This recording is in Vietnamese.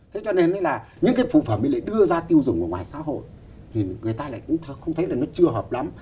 thế cho nên là những cái phụ phẩm ấy lại đưa ra tiêu dùng ở ngoài xã hội thì người ta lại cũng không thấy là nó chưa hợp lắm